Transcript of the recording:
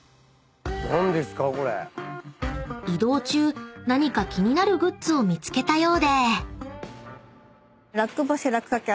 ［移動中何か気になるグッズを見つけたようで］